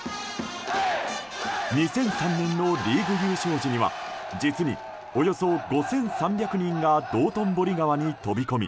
２００３年のリーグ優勝時には実に、およそ５３００人が道頓堀川に飛び込み